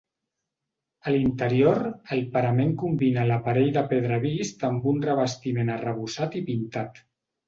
A l'interior, el parament combina l'aparell de pedra vist amb un revestiment arrebossat i pintat.